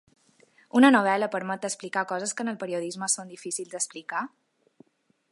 Una novel·la permet d’explicar coses que en el periodisme són difícil d’explicar?